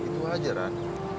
itu wajar kan